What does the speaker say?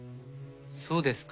そうですか。